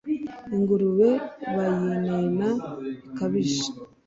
Ingurube bayinena bikabije,